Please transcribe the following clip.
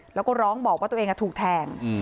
แล้วก็ร้องบอกว่าตัวเองถูกแทง